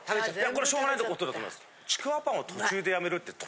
これしょうがないことだと思います。